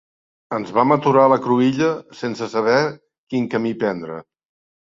Ens vam aturar a la cruïlla, sense saber quin camí prendre